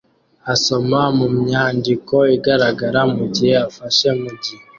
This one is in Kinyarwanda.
asoma mumyandiko igaragara mugihe afashe mug